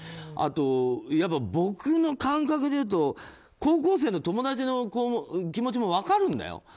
あと、僕の感覚でいうと高校生の友達の気持ちも分かるんだよ。